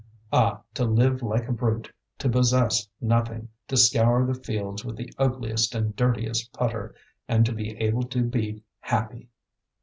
Ah! to live like a brute, to possess nothing, to scour the fields with the ugliest and dirtiest putter, and to be able to be happy!